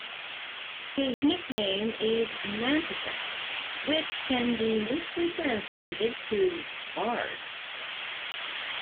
His nickname is "Mantecas", which can be loosely translated to "lard".